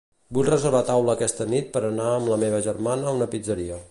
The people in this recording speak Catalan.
Vull reservar taula aquesta nit per anar amb la meva germana a una pizzeria.